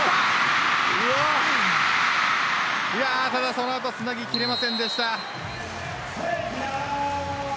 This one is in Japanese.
その後つなぎ切れませんでした。